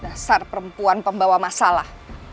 dasar perempuan pembawa masalah